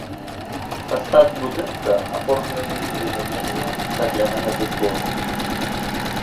Фасад будынка аформлены з прымяненнем цаглянага дэкору.